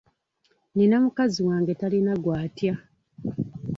Nnina mukazi wange talina gw'atya.